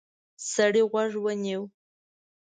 سړی غوږ ونیو.